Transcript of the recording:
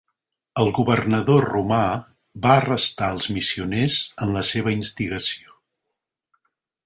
El governador romà va arrestar als missioners en la seva instigació.